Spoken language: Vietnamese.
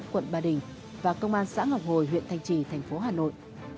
quận ba đình và công an xã ngọc hồi huyện thanh trì thành phố hà nội